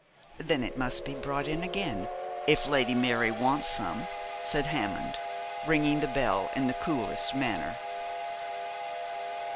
'Then it must be brought again, if Lady Mary wants some,' said Hammond, ringing the bell in the coolest manner.